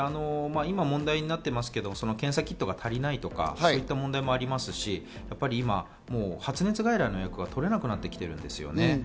今問題になってますけど、検査キットが足りないとかいう問題もありますし、今、発熱外来の予約が取れなくなってきているんです。